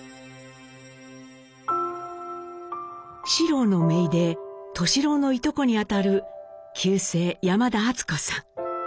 四郎のめいで敏郎のいとこにあたる旧姓山田厚子さん。